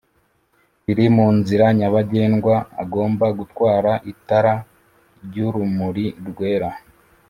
biri mu nzira nyabagendwa agomba gutwara itara ry'urumuri rwera